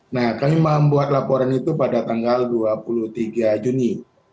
nah kami membuat laporan itu pada tanggal dua puluh tiga juni dua ribu dua puluh tiga